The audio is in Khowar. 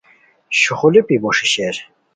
شوخولیپی بوݰی شیر